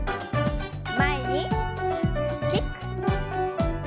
前にキック。